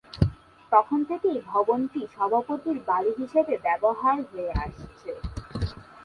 তখন থেকেই ভবনটি সভাপতির বাড়ি হিসেবে ব্যবহার হয়ে আসছে।